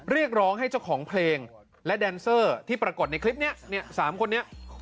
เรียกร้องให้เจ้าของเพลงและแดนเซอร์ที่ปรากฏในคลิปนี้เนี่ย๓คนนี้